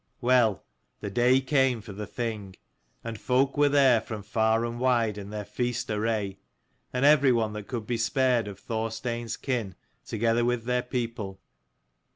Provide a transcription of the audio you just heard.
Well, the day came for the Thing : and folk were there from far and wide in their feast array, and everyone that could be spared of Thorstein's kin together with their people.